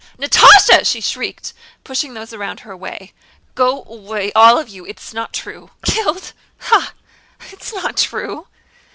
Natásha!" she shrieked, pushing those around her away. "Go away, all of you; it's not true! Killed!... ha, ha, ha!... It's not true!"